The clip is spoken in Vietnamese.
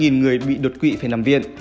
hai trăm linh người bị đột quỵ phải nằm viện